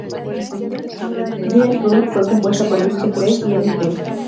Reach Out fue compuesta por Vince Clarke y Andy Bell.